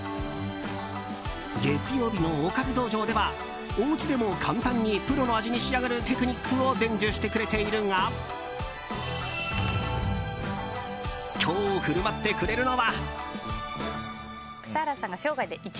月曜日のおかず道場ではおうちでも簡単にプロの味に仕上がるテクニックを伝授してくれているが今日振る舞ってくれるのは。